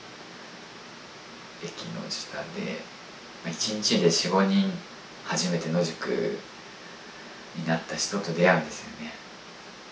駅の下で１日で４５人初めて野宿になった人と出会うんですよね。